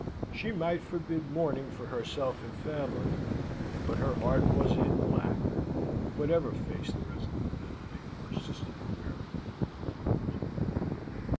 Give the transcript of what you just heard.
She might forbid mourning for herself and family; but her heart was in black, whatever face the resolute little lady persisted in wearing before the world.